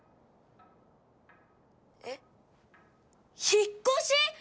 えっ引っ越し！？